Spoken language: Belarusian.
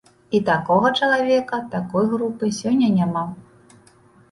І такога чалавека, такой групы сёння няма.